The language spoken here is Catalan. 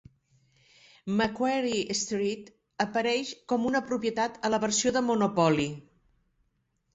Macquarie Street apareix com una propietat a la versió de Monopoly.